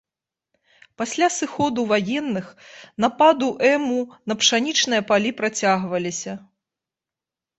Пасля сыходу ваенных нападу эму на пшанічныя палі працягваліся.